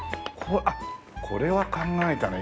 あっこれは考えたね。